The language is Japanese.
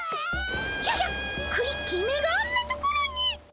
ハッ！ややっクリッキーめがあんなところに！